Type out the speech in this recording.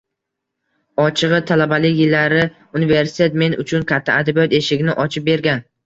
Ochig`i, talabalik yillari universitet men uchun katta adabiyot eshigini ochib bergan